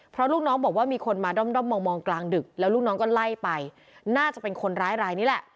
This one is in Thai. เพราะลูกน้องบอกว่ามีคนมาด้อมมองกลางดึกแล้วลูกน้องก็ไล่ไปน่าจะเป็นคนร้ายรายนี้แหละ